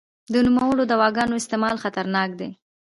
د نوموړو دواګانو استعمال خطرناک دی.